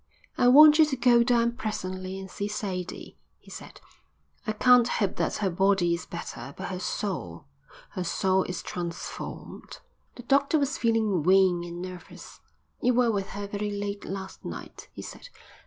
"I want you to go down presently and see Sadie," he said. "I can't hope that her body is better, but her soul her soul is transformed." The doctor was feeling wan and nervous. "You were with her very late last night," he said.